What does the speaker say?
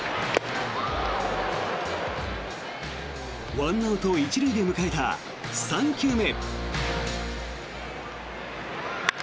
１アウト１塁で迎えた３球目。